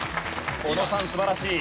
小野さん素晴らしい。